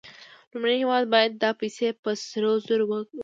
لومړنی هېواد باید دا پیسې په سرو زرو ورکړي